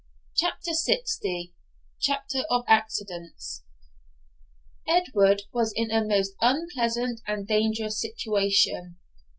] CHAPTER LX CHAPTER OF ACCIDENTS Edward was in a most unpleasant and dangerous situation.